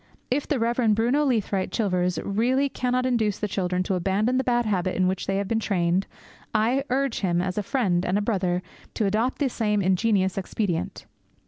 If the Rev. Bruno Leathwaite Chilvers really cannot induce the children to abandon the bad habit in which they have been trained, I urge him, as a friend and a brother, to adopt the same ingenious expedient.